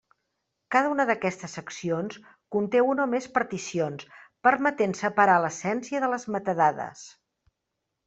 Cada una d'aquestes seccions conté una o més particions, permetent separar l'essència de les metadades.